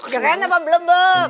keren apa bebek